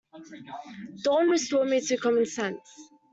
Dawn restored me to common sense.